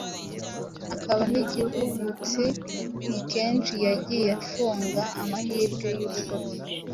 akaba n’igihubutsi Ni kenshi yagiye afunga amahirwe y’urugo rwe,